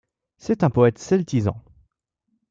C'est un poète celtisant.